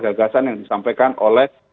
gagasan yang disampaikan oleh